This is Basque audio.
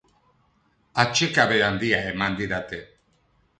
Atsekabe handia eman didate.